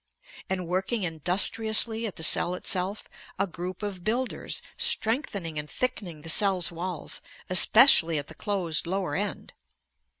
And working industriously at the cell itself, a group of builders, strengthening and thickening the cell's walls especially at the closed lower end.